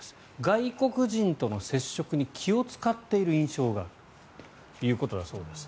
外国人との接触に気を使っている印象があるということです。